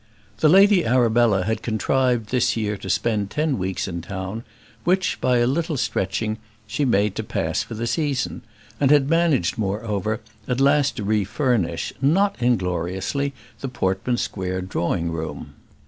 The Lady Arabella had contrived this year to spend ten weeks in town, which, by a little stretching, she made to pass for the season; and had managed, moreover, at last to refurnish, not ingloriously, the Portman Square drawing room.